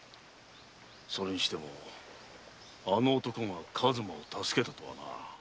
それにしてもあの男が数馬を助けたとはな。